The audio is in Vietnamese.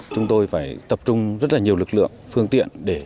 chúng tôi phải tập trung rất nhiều lực lượng phương tiện